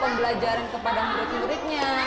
pembelajaran kepada murid muridnya